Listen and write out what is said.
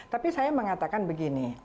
tapi saya mengatakan begini